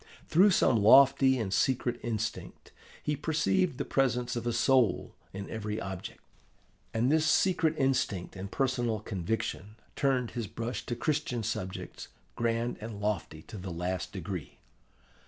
Through some lofty and secret instinct he perceived the presence of a soul in every object. And this secret instinct and personal conviction turned his brush to Christian subjects, grand and lofty to the last degree.